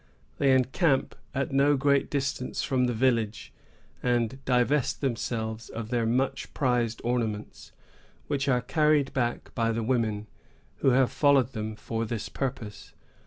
They encamp at no great distance from the village, and divest themselves of their much prized ornaments, which are carried back by the women, who have followed them for this purpose.